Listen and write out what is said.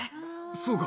そうか。